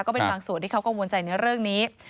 ก็เป็นบางส่วนที่เขากังวลใจในเรื่องนี้